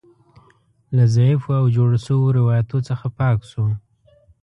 له ضعیفو او جوړو شویو روایتونو څخه پاک شو.